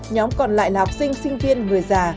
nhóm còn lại là học sinh sinh viên người già